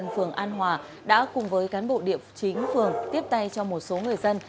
phường an hòa đã cùng với cán bộ điệp chính phường tiếp tay cho một số người dân